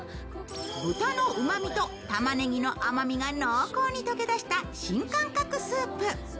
豚のうまみとたまねぎの甘みが濃厚に溶け出した新感覚スープ。